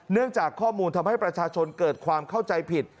จากข้อมูลทำให้ประชาชนเกิดความเข้าใจผิด